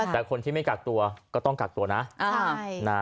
แต่คนที่ไม่กักตัวก็ต้องกักตัวนะ